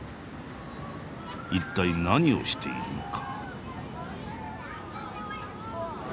一体何をしているのか？